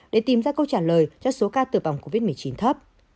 để tìm ra câu trả lời cho số ca tử vong covid một mươi chín thấp